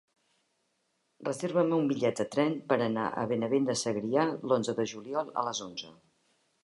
Reserva'm un bitllet de tren per anar a Benavent de Segrià l'onze de juliol a les onze.